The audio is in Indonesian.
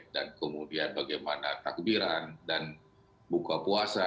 dan kemudian bagaimana takbiran dan buka puasa